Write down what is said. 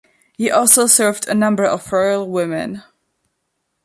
He also served a number of royal women.